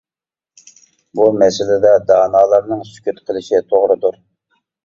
بۇ مەسىلىدە دانالارنىڭ سۈكۈت قىلىشى توغرىدۇر.